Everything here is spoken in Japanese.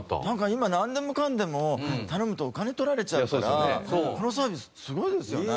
今なんでもかんでも頼むとお金取られちゃうからこのサービスすごいですよね